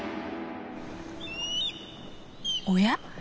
おや？